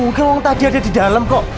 mungkin orang tadi ada di dalam kok